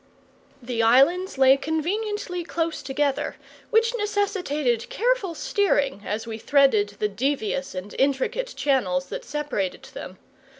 The islands lay conveniently close together, which necessitated careful steering as we threaded the devious and intricate channels that separated them.